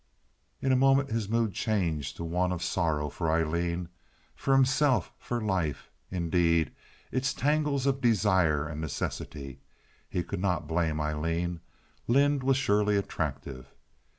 In a moment his mood changed to one of sorrow for Aileen, for himself, for life, indeed—its tangles of desire and necessity. He could not blame Aileen. Lynde was surely attractive.